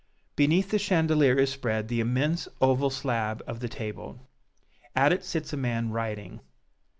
Beneath the chandelier is spread the immense oval slab of the table. At it sits a man writing.